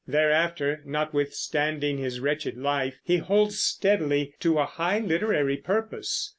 Thereafter, notwithstanding his wretched life, he holds steadily to a high literary purpose.